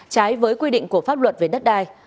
trái với quy định của pháp luật về đất đai